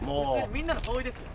みんなの総意ですよ。